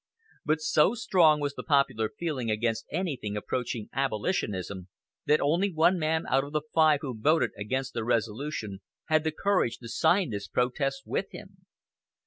But so strong was the popular feeling against anything approaching "abolitionism" that only one man out of the five who voted against the resolution had the courage to sign this protest with him.